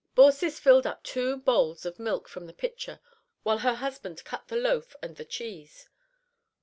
Baucis filled up two bowls of milk from the pitcher, while her husband cut the loaf and the cheese.